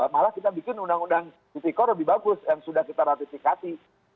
malah kita bikin undang undang tipikor lebih bagus yang sudah kita ratifikasi